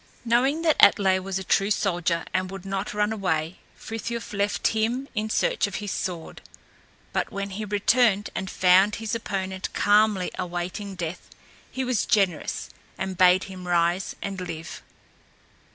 Knowing that Atlé was a true soldier and would not run away, Frithiof left him in search of his sword; but when he returned and found his opponent calmly awaiting death, he was generous, and bade him rise and live.